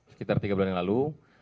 sekitar tiga bulan yang lalu